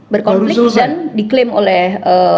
berkonflik dan diklaim oleh